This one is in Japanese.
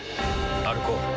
歩こう。